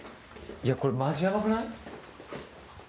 いやこれマジやばくない？